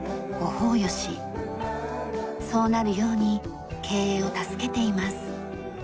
そうなるように経営を助けています。